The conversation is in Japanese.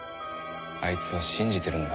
あいつは信じてるんだ。